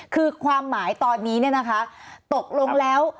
คือความหมายตอนนี้เนี่ยนะคะตกลงแล้ว